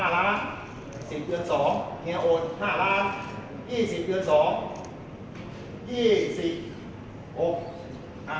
๕ล้าน๑๐เดือน๒เมียโอน๕ล้าน๒๐เดือน๒๒๐เดือน๒